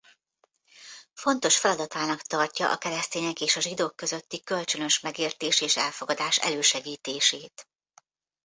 Fontos feladatának tartja a keresztények és a zsidók közötti kölcsönös megértés és elfogadás elősegítését.